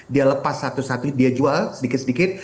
dia lepas satu satu dia jual sedikit sedikit